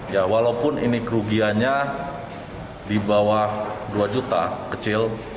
ya walaupun ini kerugiannya di bawah dua juta kecil